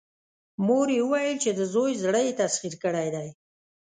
مور يې وويل چې د زوی زړه يې تسخير کړی دی.